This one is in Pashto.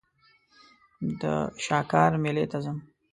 د شاکار مېلې ته ځم.